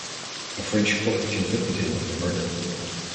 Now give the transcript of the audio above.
A French court convicted him of the murder.